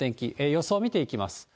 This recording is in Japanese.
予想見ていきます。